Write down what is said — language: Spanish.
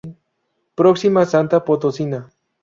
Próxima santa potosina.